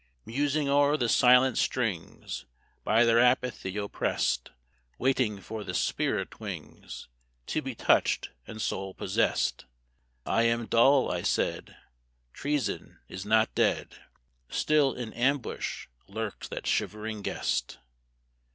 Musing o'er the silent strings, By their apathy opprest, Waiting for the spirit wings, To be touched and soul possessed, "I am dull," I said: "Treason is not dead; Still in ambush lurks that shivering guest."